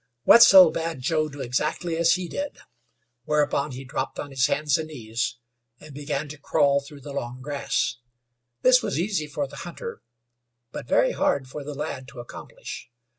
Wetzel bade Joe do exactly as he did, whereupon he dropped on his hands and knees and began to crawl through the long grass. This was easy for the hunter, but very hard for the lad to accomplish.